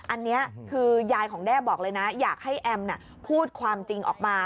อันนี้คือยายของแด้บอกเลยนะอยากให้แอมพูดความจริงออกมา